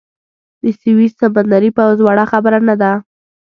د سویس سمندري پوځ وړه خبره نه ده.